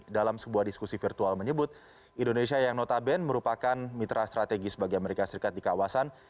dalam sebuah diskusi virtual menyebut indonesia yang notabene merupakan mitra strategis bagi amerika serikat di kawasan